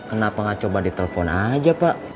kenapa nggak coba di telepon aja pak